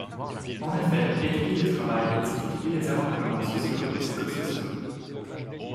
En effet, étudier le travail, c'est étudier les arrangements sociaux et psycho-sociaux.